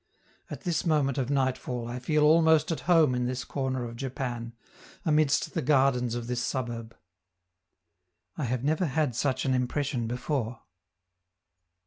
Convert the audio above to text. At this moment of nightfall I feel almost at home in this corner of Japan, amidst the gardens of this suburb. I never have had such an impression before.